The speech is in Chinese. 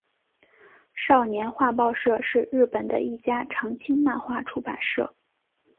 少年画报社是日本的一家长青漫画出版社。